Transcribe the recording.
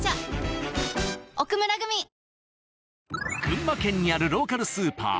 群馬県にあるローカルスーパー